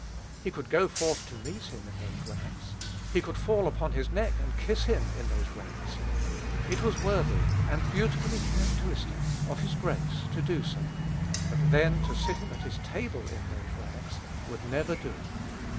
He could go forth to meet him in those rags. He could fall upon his neck and kiss him, in those rags. It was worthy, and beautifully characteristic of his grace so to do; but then to seat him at his table in the rags would never do.